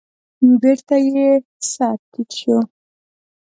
بېرته يې سر تيټ شو.